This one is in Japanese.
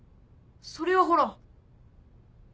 それはほら。